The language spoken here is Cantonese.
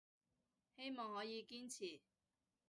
希望可以堅持